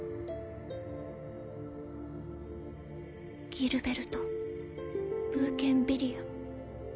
ギルベルト・ブーケンビリア。